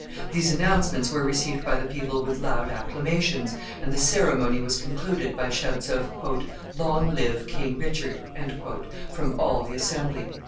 These announcements were received by the people with loud acclamations, and the ceremony was concluded by shouts of "Long live King Richard!" from all the assembly.